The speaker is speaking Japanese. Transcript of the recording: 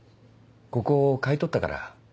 ここ買い取ったから。